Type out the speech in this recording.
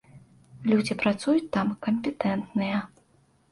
Людзі працуюць там кампетэнтныя.